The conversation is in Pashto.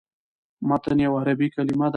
متن یوه عربي کلمه ده.